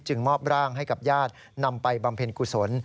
มอบร่างให้กับญาตินำไปบำเพ็ญกุศล